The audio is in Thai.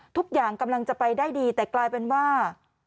ทุกอย่างกำลังจะไปได้ดีแต่กลายเป็นว่า